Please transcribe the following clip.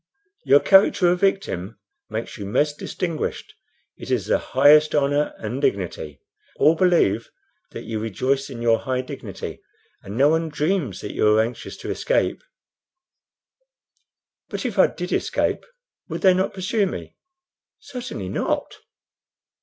Your character of victim makes you most distinguished. It is the highest honor and dignity. All believe that you rejoice in your high dignity, and no one dreams that you are anxious to escape." "But if I did escape, would they not pursue me?" "Certainly not."